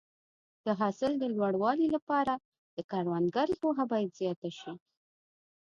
د حاصل د لوړوالي لپاره د کروندګرو پوهه باید زیاته شي.